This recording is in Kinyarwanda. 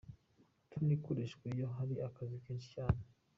Tunnel ikoreshwa iyo hari akazi kenshi cyane.